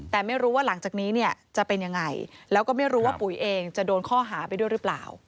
แต่ไม่รู้ว่าหลังจากนี้เนี่ยจะเป็นยังไงแล้วก็ไม่รู้ว่าปุ๋ยเองจะโดนข้อหาไปด้วยหรือเปล่า